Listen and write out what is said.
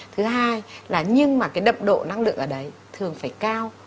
thứ hai là nhưng mà cái đập độ năng lượng ở đấy thường phải cao